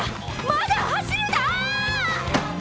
まだ走るな！